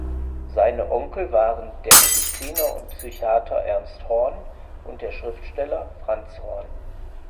Seine Onkel waren der Mediziner und Psychiater Ernst Horn und der Schriftsteller Franz Horn.